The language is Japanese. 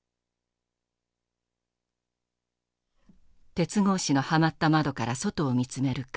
鉄格子のはまった窓から外を見つめる顔。